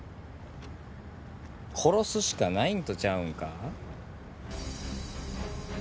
殺すしかないんとちゃうんか？